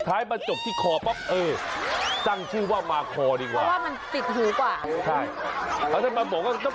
คุณอยากติดหู่ไม่ต้องนกแก้วมาหู